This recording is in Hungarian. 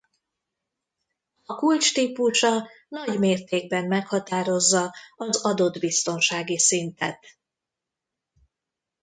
A kulcs típusa nagymértékben meghatározza az adott biztonsági szintet.